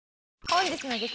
本日の激